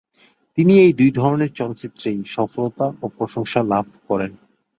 তিনি এই দুই ধরনের চলচ্চিত্রেই সফলতা ও প্রশংসা লাভ করেন।